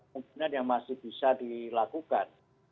kemungkinan yang masih bisa dilakukan